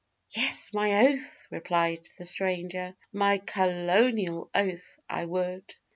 'Yes, my oath!' replied the stranger. 'My kerlonial oath! I would!